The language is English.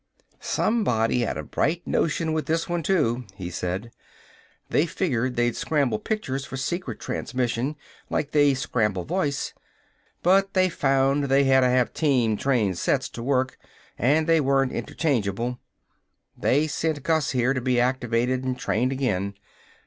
"Somebody had a bright notion with this one, too," he said. "They figured they'd scramble pictures for secret transmission, like they scramble voice. But they found they hadda have team trained sets to work, an' they weren't interchangeable. They sent Gus here to be deactivated an' trained again.